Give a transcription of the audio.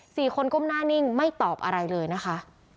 สี่คนก้มหน้านิ่งไม่ตอบอะไรเลยนะคะ